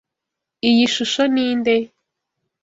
Iyi shusho ni nde?